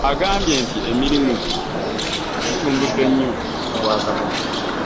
Agambye nti emirimu gye gitumbudde nnyo Obwakabaka.